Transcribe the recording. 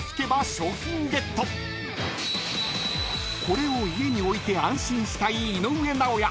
［これを家に置いて安心したい井上尚弥］